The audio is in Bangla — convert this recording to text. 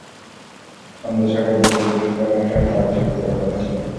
সন্ধ্যা ছয়টার দিকে একটি ইফতার অনুষ্ঠানে তাঁর যোগ দেওয়ার কথা ছিল।